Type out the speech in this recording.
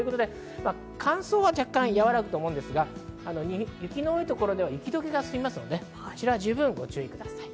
乾燥は若干和らぐと思いますが、雪の多いところでは雪どけが進みます、十分ご注意ください。